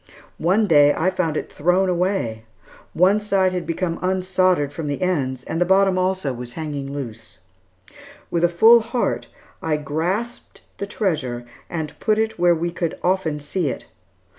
One day, I found it thrown away. One side had become unsoldered from the ends and the bottom also was hanging loose. With a full heart, I grasped the treasure and put it where we could often see it.